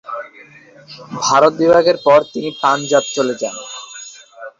ভারত বিভাগের পর তিনি পাঞ্জাব চলে যান।